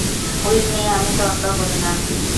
Will নিয়ে আমি তোয়াক্কা করি না।